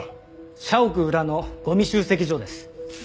社屋裏のごみ集積所です。